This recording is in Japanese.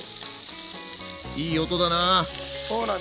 いい音だな。